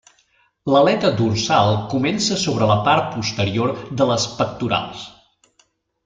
L'aleta dorsal comença sobre la part posterior de les pectorals.